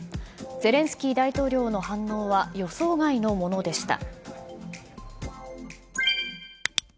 ゼレンスキー大統領の反応は予想外のものでした。